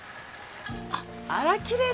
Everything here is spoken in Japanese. あらきれい。